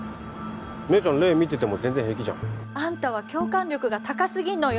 姉ちゃん霊見てても全然平気じゃんあんたは共感力が高すぎんのよ